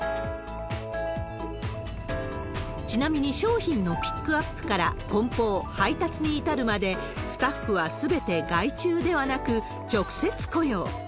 ちなみに商品のピックアップからこん包、配達に至るまで、スタッフはすべて外注ではなく、直接雇用。